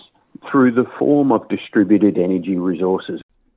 melalui formen sumber energi yang dikumpulkan